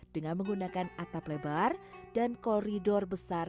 dengan menggunakan atap lebar dan koridor besar